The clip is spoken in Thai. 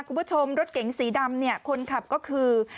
คุณผู้ชมรถเก๋งสีดำเนี่ยคนขับก็คือ